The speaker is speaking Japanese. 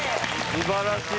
素晴らしい！